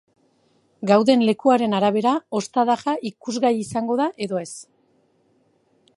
Gauden lekuaren arabera, ostadarra ikusgai izango da edo ez.